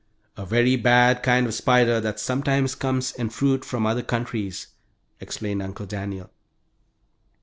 "A very bad kind of spider, that sometimes comes in fruit from other countries," explained Uncle Daniel.